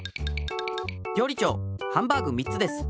りょうり長ハンバーグ３つです。